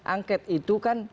angket itu kan